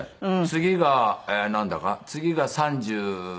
次がなんだか次が３２。